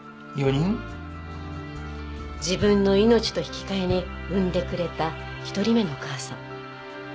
自分の命と引き換えに産んでくれた１人目のお母さん。